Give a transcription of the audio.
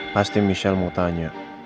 pasti michelle mau tanya